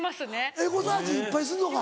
エゴサーチいっぱいするのか。